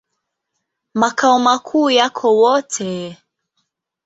Makao makuu yako Wote.